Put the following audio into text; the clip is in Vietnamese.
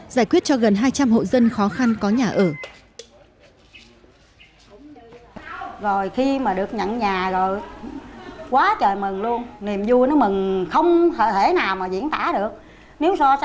giải quyết cho gần hai trăm linh hộ dân khó khăn có nhà ở